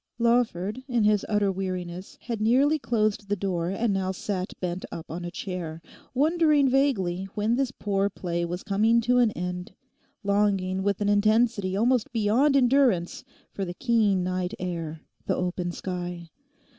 Lawford in his utter weariness had nearly closed the door and now sat bent up on a chair, wondering vaguely when this poor play was coming to an end, longing with an intensity almost beyond endurance for the keen night air, the open sky.